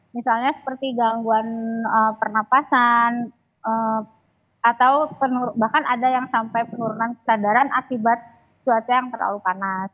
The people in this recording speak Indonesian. misalnya seperti gangguan pernapasan atau bahkan ada yang sampai penurunan kesadaran akibat cuaca yang terlalu panas